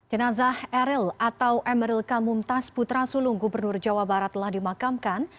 jenazah erel atau emeril kamum tas putra sulung gubernur jawa barat telah dimakamkan